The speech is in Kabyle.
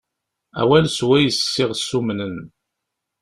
Awal s wayes i ɣ-ssumnen.